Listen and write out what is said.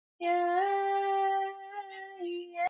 Kuwepo kwa wanyama ambao hawajachanjwa huchangia maambukizi